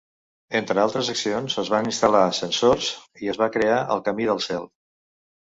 Entre altres accions, es van instal·lar ascensors i es va crear el Camí del Cel.